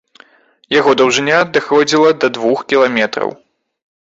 Яго даўжыня даходзіла да двух кіламетраў.